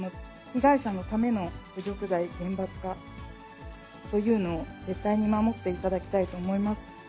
被害者のための侮辱罪厳罰化というのを、絶対に守っていただきたいと思います。